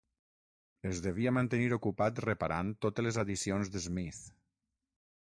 Es devia mantenir ocupat reparant totes les addicions de Smith.